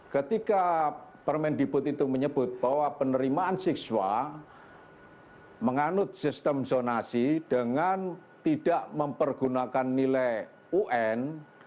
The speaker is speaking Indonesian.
ketika permendikbud itu menyebut bahwa penerimaan siswa menganut sistem zonasi dengan tidak mempergunakan nilai un